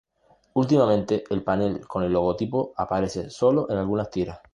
Últimamente el panel con el logotipo aparece sólo en algunas tiras.